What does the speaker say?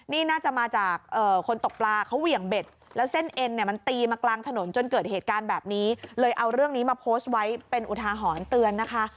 นี่น่าจะมาจากคนตกปลาเขาเหวี่ยงเบ็ดแล้วเส้นเอ็นเนี่ยมันตีมากลางถนนจนเกิดเหตุการณ์แบบนี้เลยเอาเรื่องนี้มาโพสต์ไว้เป็นอุทาหรณ์เตือนนะคะ